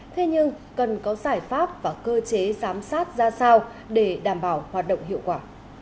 thế nhưng cần có giải pháp và cơ chế giám sát ra sao để đảm bảo hoạt động hiệu quả